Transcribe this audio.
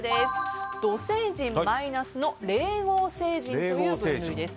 土星人マイナスの霊合星人という分類です。